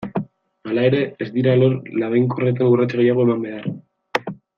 Hala ere, ez dira alor labainkorretan urrats gehiago eman behar.